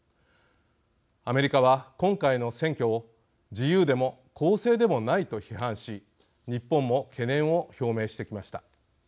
アメリカは、今回の選挙を自由でも公正でもないと批判し日本も懸念を表明してきました。